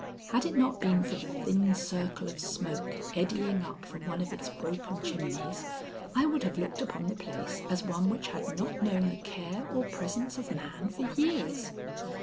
Had it not been for the thin circle of smoke eddying up from one of its broken chimneys, I would have looked upon the place as one which had not known the care or presence of man for years.